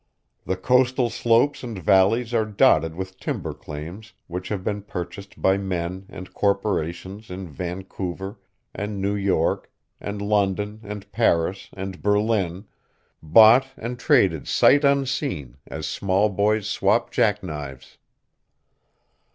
The coastal slopes and valleys are dotted with timber claims which have been purchased by men and corporations in Vancouver and New York and London and Paris and Berlin, bought and traded "sight unseen" as small boys swap jackknives.